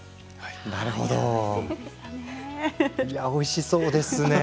いや、おいしそうですね。